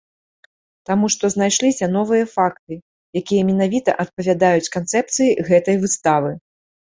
Таму што знайшліся новыя факты, якія менавіта адпавядаюць канцэпцыі гэтай выставы.